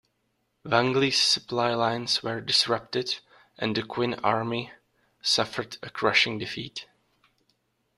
Wang Li's supply lines were disrupted and the Qin army suffered a crushing defeat.